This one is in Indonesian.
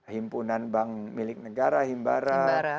himpunan bank milik negara himbara